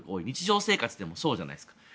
日常生活でもそうじゃないですか。